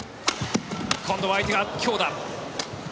今度は相手が強打。